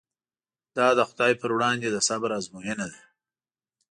دا د خدای پر وړاندې د صبر ازموینه ده.